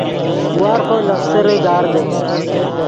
وارفو لخسرے گاردے